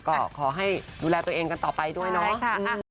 ก็ขอให้ดูแลตัวเองกันต่อไปด้วยเนาะ